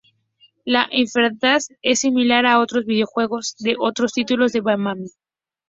La interfaz es similar a otros videojuegos de otros títulos de Bemani.